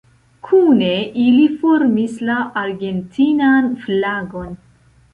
Kune ili formis la argentinan flagon.